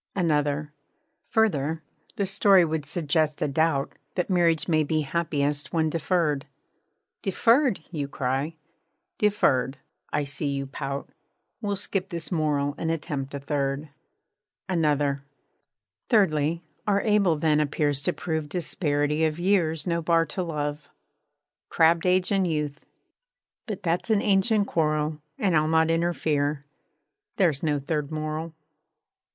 _ ANOTHER Further, the story would suggest a doubt That marriage may _be happiest when deferr'd _ 'Deferr'd?' you cry 'Deferr'd,' I see you pout, _ We'll skip this morale and attempt a third._ ANOTHER Thirdly, our able then appears to prove Disparity of years no bar to love. Crabb'd Age and Youth But that's an ancient quarrel, _And I'll not interfere. There 's no third moral.